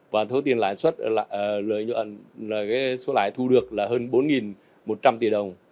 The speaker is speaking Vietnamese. và số tiền lãi thu được là hơn bốn một trăm linh tỷ đồng